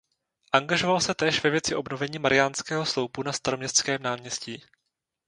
Angažoval se též ve věci obnovení Mariánského sloupu na Staroměstském náměstí.